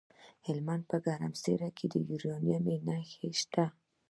د هلمند په ګرمسیر کې د یورانیم نښې شته.